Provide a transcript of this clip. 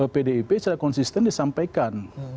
pdip secara konsisten disampaikan